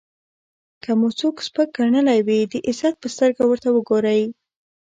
که مو څوک سپک ګڼلی وي د عزت په سترګه ورته وګورئ.